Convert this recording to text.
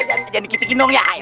jangan dikit dikitin dong ya ya ya